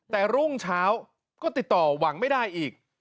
แต่รุ่งเช้าก็ติดต่อหวังไม่ได้อีก